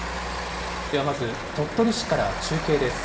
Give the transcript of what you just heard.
ではまず、鳥取市から中継です。